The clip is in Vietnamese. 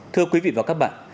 thưa quý vị và các bạn